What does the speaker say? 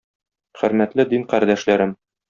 Хөрмәтле дин кардәшләрем!